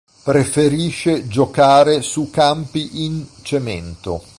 Preferisce giocare su campi in cemento.